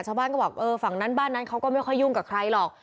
ชาวบ้านก็บอกเออฝั่งนั้นบ้านนั้นเขาก็ไม่ค่อยยุ่งกับใครหรอก